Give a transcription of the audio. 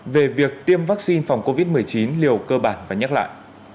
về việc tiêm vaccine phòng covid một mươi chín liều cơ bản và nhắc lại